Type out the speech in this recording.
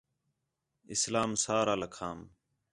اسلام سارا لَکھام